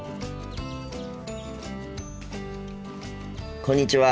こんにちは。